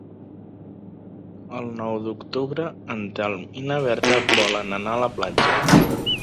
El nou d'octubre en Telm i na Berta volen anar a la platja.